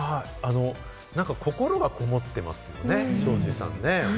なんか心がこもってますよね、庄司さん。